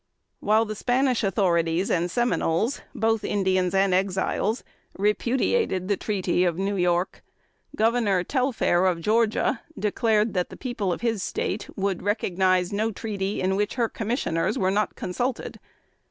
While the Spanish authorities and Seminoles, both Indians and Exiles, repudiated the treaty of New York, Governor Tellfair, of Georgia, declared that the people of his State "would recognize no treaty in which her commissioners were not consulted."